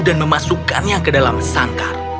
dan memasukkannya ke dalam sangkar